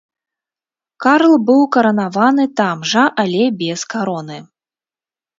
Карл быў каранаваны там жа, але без кароны.